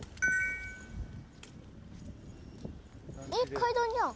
えっ階段じゃん。